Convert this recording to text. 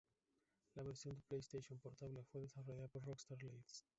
La versión de PlayStation Portable fue desarrollada por Rockstar Leeds.